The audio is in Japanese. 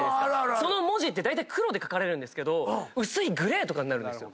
その文字ってだいたい黒で書かれるんですけど薄いグレーとかになるんですよ。